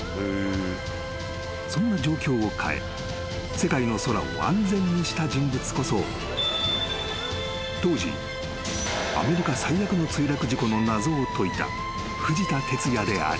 ［そんな状況を変え世界の空を安全にした人物こそ当時アメリカ最悪の墜落事故の謎を解いた藤田哲也である］